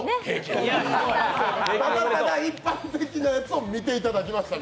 ただただ一般的なやつを見てもらいました。